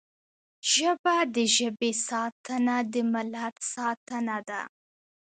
ژبه د ژبې ساتنه د ملت ساتنه ده